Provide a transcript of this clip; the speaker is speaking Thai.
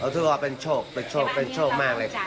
ถือว่าเป็นโชคเป็นโชคเป็นโชคมากเลยค่ะ